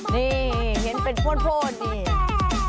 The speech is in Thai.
นี่เห็นเป็นโพนนี่